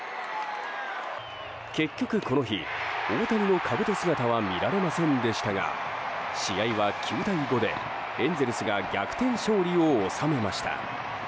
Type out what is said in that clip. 結局この日、大谷のかぶと姿は見られませんでしたが試合は９対５でエンゼルスが逆転勝利を収めました。